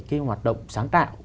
cái hoạt động sáng tạo